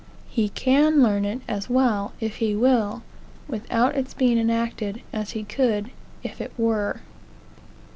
He can learn it as well, if he will, without its being enacted, as he could if it were.